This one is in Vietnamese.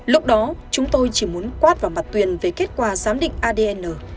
lúc đó chúng tôi chỉ muốn quát vào mặt tuyển về kết quả giám định adn